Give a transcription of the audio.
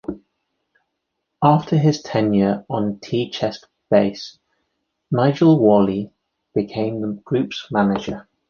After his tenure on tea-chest bass, Nigel Walley became the group's manager.